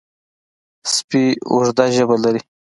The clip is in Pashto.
سپي اوږده ژبه لري.